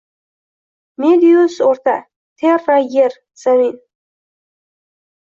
Medius oʻrta, terra yer, zamin